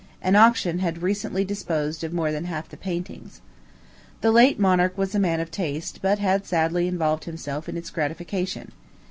An auction had recently disposed of more than half the paintings. The late monarch was a man of taste, but had sadly involved himself in its gratification.